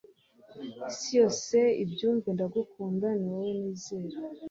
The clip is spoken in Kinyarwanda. isi yose ibyumve ndagukunda niwowe nizera